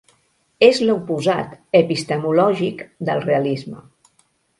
És l'oposat epistemològic del realisme.